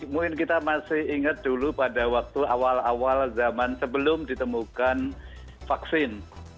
mungkin kita masih ingat dulu pada waktu awal awal zaman sebelum ditemukan vaksin